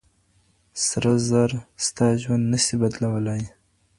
سره زر ستا ژوند نه سي بدلولی.